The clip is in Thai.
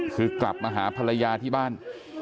คือกลับมาหาภรรยาที่บ้าน